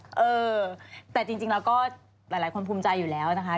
เออแต่จริงแล้วก็หลายคนภูมิใจอยู่แล้วนะคะ